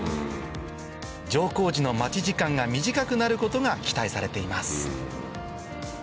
乗降時の待ち時間が短くなることが期待されています